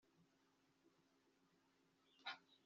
niba tom afite ibibazo byamafaranga, ngira ngo yatumenyesha